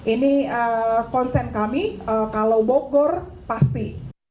ini konsen kami kalau bogor pasti